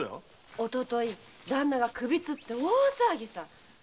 おとといダンナが首吊って大騒ぎさ。